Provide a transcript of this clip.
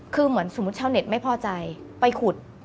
คือเหมือนสมมุติชาวเน็ตไม่พอใจไปขุด